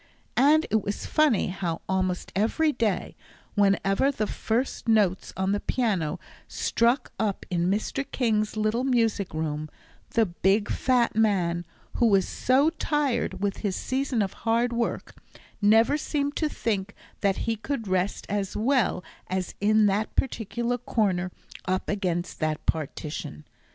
And it was funny how, almost every day, whenever the first notes on the piano struck up in Mr. King's little music room, the big fat man, who was so tired with his season of hard work, never seemed to think that he could rest as well as in that particular corner up against that partition.